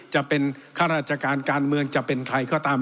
จะเป็นข้าราชการการเมืองจะเป็นใครก็ตาม